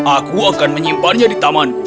aku akan menyimpannya di taman